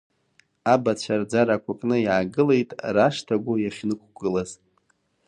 Абацәа рӡарақәа кны иаагылеит рашҭа гәы иахьнықәгылаз.